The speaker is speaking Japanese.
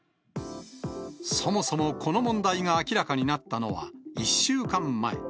そもそもこの問題が明らかになったのは、１週間前。